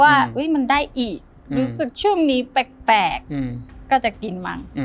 ว่าอุ๊ยมันได้อีกรู้สึกช่วงนี้แปลกแปลกอืมก็จะกินมั้งอืม